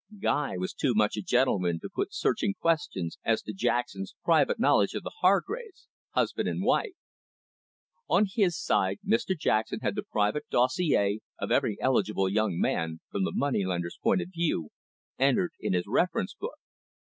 Guy was too much a gentleman to put searching questions as to Jackson's private knowledge of the Hargraves, husband and wife. On his side, Mr Jackson had the private dossier of every eligible young man, from the moneylender's point of view, entered in his reference book.